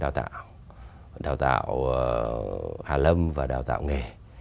đặc biệt là cái hệ thống đào tạo đào tạo hà lâm và đào tạo nghề